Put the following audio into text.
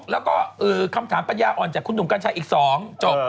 แล้วก็คำถามปัญญาอ่อนจากคุณหนุ่มกัญชัยอีก๒จบ